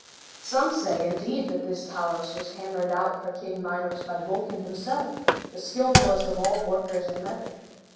Some say, indeed, that this Talus was hammered out for King Minos by Vulcan himself, the skilfullest of all workers in metal.